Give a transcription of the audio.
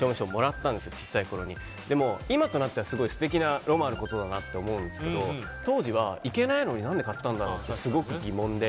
今となっては素敵なロマンがあることだなと思うんですけど当時は行けないのに何で買ったんだろうってすごく疑問で。